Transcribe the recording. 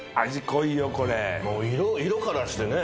もう色からしてね